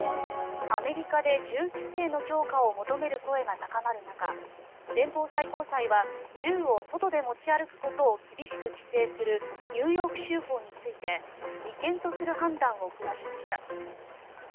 アメリカで銃規制の強化を求める声が高まる中連邦最高裁は銃を外で持ち歩くことを厳しく規制するニューヨーク州法について違憲とする判断を下しました。